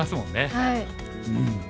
はい。